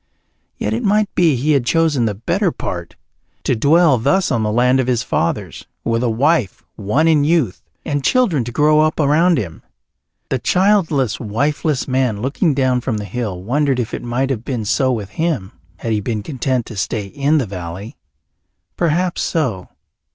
Yet it might be he had chosen the better part, to dwell thus on the land of his fathers, with a wife won in youth, and children to grow up around him. The childless, wifeless man looking down from the hill wondered if it might have been so with him had he been content to stay in the valley. Perhaps so.